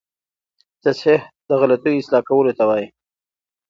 تصحیح د غلطیو اصلاح کولو ته وايي.